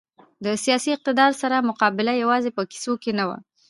له سیاسي اقتدار سره مقابله یوازې په کیسو کې نه وه.